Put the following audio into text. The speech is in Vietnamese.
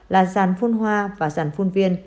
là giàn phun hoa và giàn phun viên